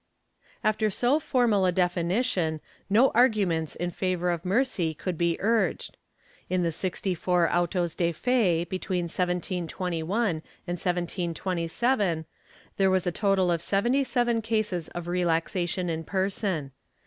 After so formal a definition, no arguments in favor of mercy could be urged. In the sixty four autos de fe, between 1721 and 1727, there was a total of seventy seven cases of relaxation in person.